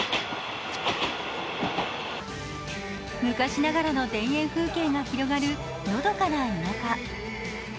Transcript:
昔ながらの田園風景が広がるのどかな田舎。